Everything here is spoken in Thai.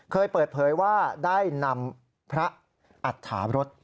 เคยเปิดเผยว่าได้นำพระอัตถารส